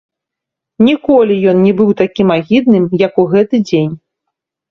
Ніколі ён не быў такім агідным, як у гэты дзень.